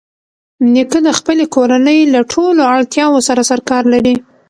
نیکه د خپلې کورنۍ له ټولو اړتیاوو سره سرکار لري.